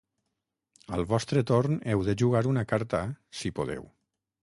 Al vostre torn heu de jugar una carta, si podeu.